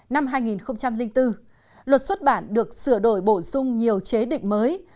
năm hai nghìn bốn luật xuất bản được sửa đổi bổ sung nhiều chế định mới